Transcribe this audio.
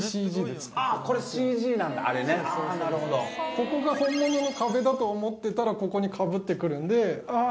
ここが本物の壁だと思ってたらここにかぶってくるんであぁ！